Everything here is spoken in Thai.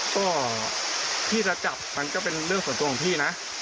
ก็พี่จะจับมันก็เป็นเรื่องส่วนตัวของพี่นะ